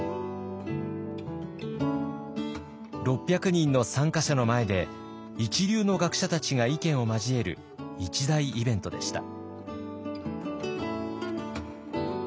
６００人の参加者の前で一流の学者たちが意見を交える一大イベントでした。